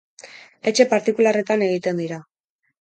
Etxe partikularretan egiten dira.